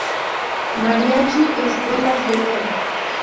Mariachi Espuelas de Oro.